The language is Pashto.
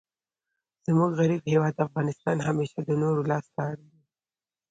زموږ غریب هیواد افغانستان همېشه د نورو لاس ته اړ دئ.